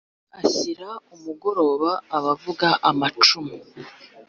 ashyira umugoroba abavuga amacumu